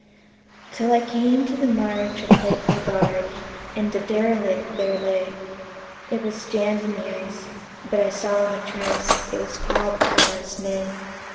Till I came to the marge of Lake Lebarge, and a derelict there lay; It was jammed in the ice, but I saw in a trice it was called the "Alice May".